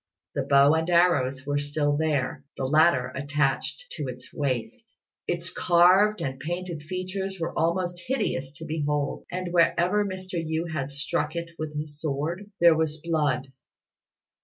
The bow and arrows were still there, the latter attached to its waist. Its carved and painted features were most hideous to behold; and wherever Mr. Yü had struck it with his sword, there was blood.